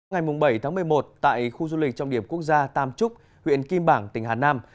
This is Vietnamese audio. ngày bảy tháng một mươi một tại khu du lịch trọng điểm quốc gia tam trúc huyện kim bảng tỉnh hà nam